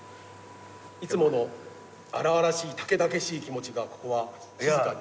いつもの荒々しい猛々しい気持ちがここは静かに。